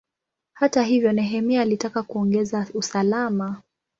Hata hivyo, Nehemia alitaka kuongeza usalama.